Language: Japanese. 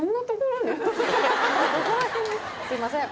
すいません！